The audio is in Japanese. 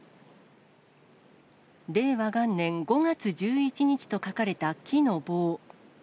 令和元年五月十一日と書かれた木の棒。